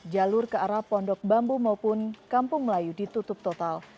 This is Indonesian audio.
jalur ke arah pondok bambu maupun kampung melayu ditutup total